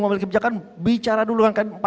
mengambil kebijakan bicara dulu kan empat lima